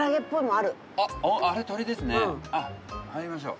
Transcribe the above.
あ入りましょう。